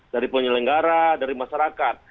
dari penyelenggara dari masyarakat